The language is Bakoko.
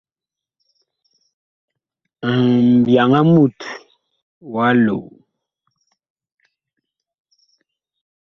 Mbyaŋ a mut wa loo.